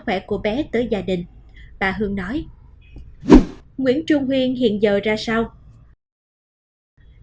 khỏe của bé tới gia đình bà hương nói nguyễn trung huyên hiện giờ ra sao